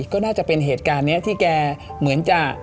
ก็น่าจะเป็นเหตุการณ์นี้ที่แกเหมือนจะ